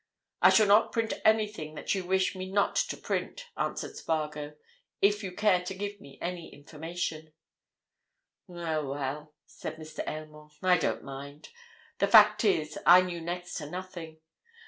"I shall not print anything that you wish me not to print," answered Spargo. "If you care to give me any information——" "Oh, well!" said Mr. Aylmore. "I don't mind. The fact is, I knew next to nothing.